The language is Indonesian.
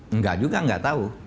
enggak juga enggak tahu